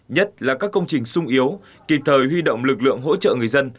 nhất là các công trình sung yếu kịp thời huy động lực lượng hỗ trợ người dân